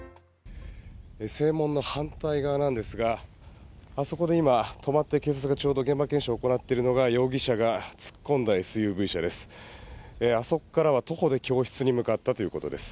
正門の反対側なんですがあそこで今、止まって警察がちょうど現場検証を行っているのが容疑者のＳＵＶ車です。